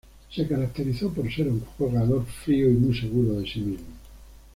Se caracterizó por ser un jugador frío y muy seguro de sí mismo.